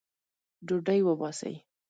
ډوډۍ وباسئ